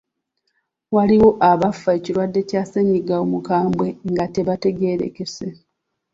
Waliwo abafa ekirwadde kya ssennyiga omukambwe nga tebategeerekese.